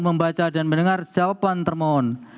membaca dan mendengar jawaban termohon